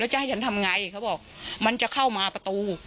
จะให้ฉันทำไงเขาบอกมันจะเข้ามาประตู